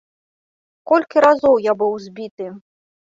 Колькі разоў я быў збіты.